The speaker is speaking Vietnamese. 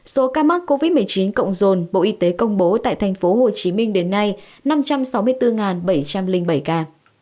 số ca mắc covid một mươi chín cộng dồn bộ y tế công bố tại tp hcm đến nay năm trăm sáu mươi bốn bảy trăm linh bảy ca